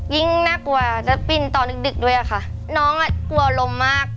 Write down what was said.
ยิ่งน่ากลัวจะปิ้นตอนดึกดึกด้วยอะค่ะน้องอ่ะกลัวลมมาก